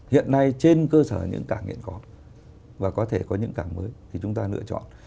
hiện nay trên cơ sở những cảng hiện có và có thể có những cảng mới thì chúng ta lựa chọn